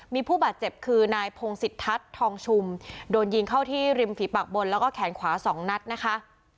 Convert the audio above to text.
มีผู้บาดเจ็บคือนายพงศิษทัศน์ทองชุมโดนยิงเข้าที่ริมฝีปากบนแล้วก็แขนขวาสองนัดนะคะ